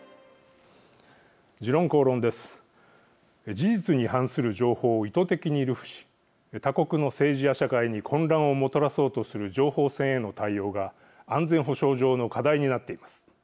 事実に反する情報を意図的に流布し他国の政治や社会に混乱をもたらそうとする情報戦への対応が安全保障上の課題になっています。